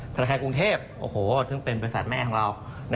ธนาคารกรุงเทพฯโอ้โฮเพิ่งเป็นบริษัทแม่ของเรา